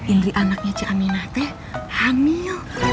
indri anaknya ciaminate hamil